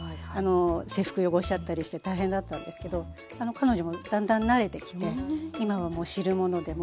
制服汚しちゃったりして大変だったんですけど彼女もだんだん慣れてきて今はもう汁物でも。